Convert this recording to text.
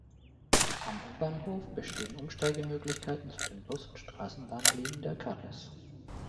Am U-Bahnhof bestehen Umsteigemöglichkeiten zu den Bus- und Straßenbahnlinien der Carris.